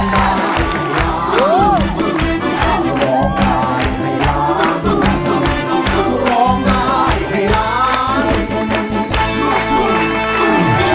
ได้